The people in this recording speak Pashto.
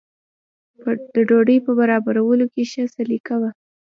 د ډوډۍ په برابرولو کې ښه سلیقه وه.